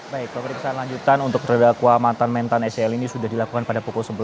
baik pemeriksaan lanjutan untuk terdakwa mantan mentan scl ini sudah dilakukan pada pukul sebelas